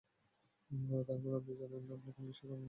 তার মানে, আপনি জানেন না আপনি কোন বিষয়ে কথা বলছেন, তাই না?